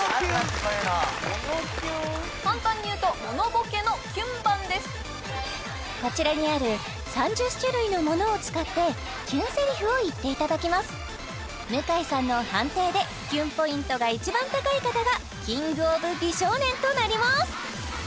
こういうの簡単に言うとこちらにある３０種類のモノを使ってキュンせりふを言っていただきます向井さんの判定でキュンポイントが一番高い方がキングオブ美少年となります